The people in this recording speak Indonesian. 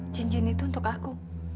cincin itu untuk aku